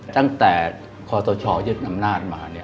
ตั้งแต่คอเตอร์ชอเรียกนำนาจมา